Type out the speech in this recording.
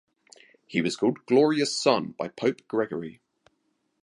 He was called "glorious son" by Pope Gregory.